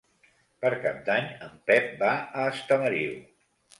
Per Cap d'Any en Pep va a Estamariu.